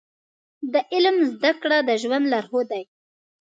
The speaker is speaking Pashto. د علم زده کړه د ژوند لارښود دی.